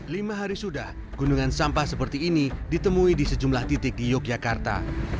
lima hari sudah gunungan sampah seperti ini ditemui di sejumlah titik di yogyakarta